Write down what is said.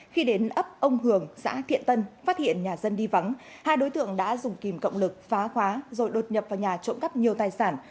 khi đến ấp ông hường xã thiện tân phát hiện nhà dân đi vắng hai đối tượng đã dùng kìm cộng lực phá khóa rồi đột nhập vào nhà trộm cắp nhiều tài sản